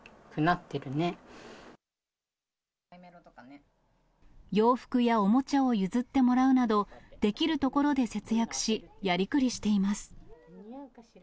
ね、洋服やおもちゃを譲ってもらうなど、できるところで節約し、やりくりしています。